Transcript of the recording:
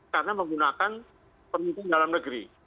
karena menggunakan pemimpin dalam negeri